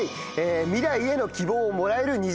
未来への希望をもらえる２時間です。